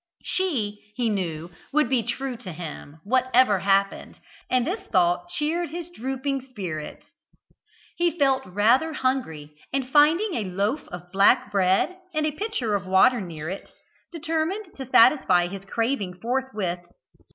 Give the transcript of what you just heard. She, he knew, would be true to him, whatever happened, and this thought cheered his drooping spirits. He felt rather hungry, and, finding a loaf of black bread and a pitcher of water near it, determined to satisfy his craving forthwith.